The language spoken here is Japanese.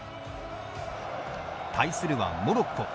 対するはモロッコ。